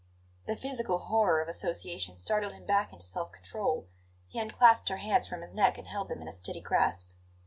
The physical horror of association startled him back into self control; he unclasped her hands from his neck and held them in a steady grasp.